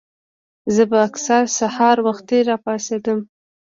زۀ به اکثر سحر وختي راپاسېدم